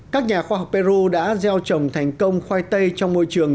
các nhà khoa học peru đã gieo trồng thành công khoai tây trong môi trường